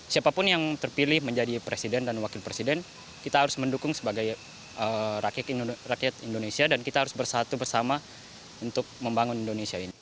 siapapun yang terpilih menjadi presiden dan wakil presiden kita harus mendukung sebagai rakyat indonesia dan kita harus bersatu bersama untuk membangun indonesia ini